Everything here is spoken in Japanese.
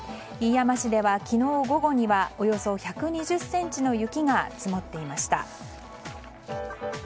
飯山市では昨日午後にはおよそ１２０ｃｍの雪が積もっていました。